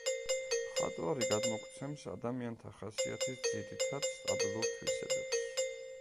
მხატვარი გადმოგვცემს ადამიანთა ხასიათის ძირითად, სტაბილურ თვისებებს.